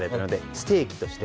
ステーキとして。